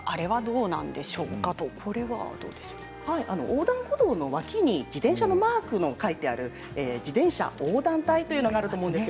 横断歩道の脇に自転車のマークが書いてある自転車横断帯というのがあると思います。